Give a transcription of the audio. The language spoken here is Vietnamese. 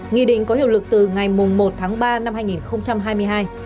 nghị định có hiệu lực từ ngày một tháng ba năm hai nghìn hai mươi hai